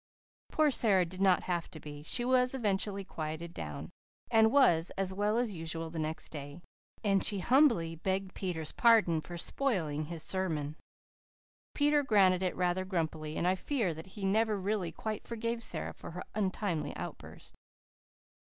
Poor Sara did not have to be. She was eventually quieted down, and was as well as usual the next day; and she humbly begged Peter's pardon for spoiling his sermon. Peter granted it rather grumpily, and I fear that he never really quite forgave Sara for her untimely outburst.